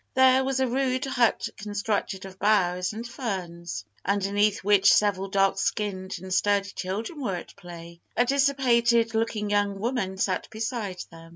There was a rude hut constructed of boughs and ferns, underneath which several dark skinned and sturdy children were at play. A dissipated looking young woman sat beside them.